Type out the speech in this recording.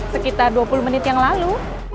sekitar dua puluh menit yang lalu